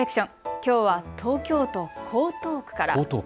きょうは東京都江東区から。